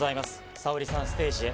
沙織さん、ステージへ。